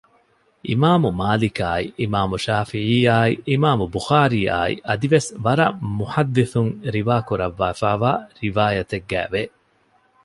އިމާމު މާލިކާއި އިމާމު ޝާފިޢީއާއި އިމާމު ބުޚާރީއާއި އަދިވެސް ވަރަށް މުޙައްދިޘުން ރިވާކުރަށްވާފައިވާ ރިވާޔަތެއްގައި ވެ